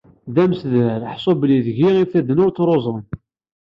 D amsedrar ḥṣu belli deg-i ifadden ur ttruẓen.